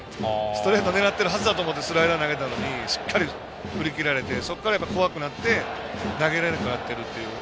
ストレート狙ってるはずだと思ってスライダー投げたのにしっかり振り切られてそこから怖くなって投げられなくなってるという。